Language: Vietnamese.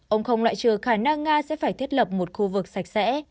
ông không loại trừ khả năng nga sẽ phải thiết lập một khu vực sạch sẽ